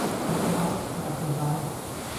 เขาชื่อบาส มาจากเชียงราย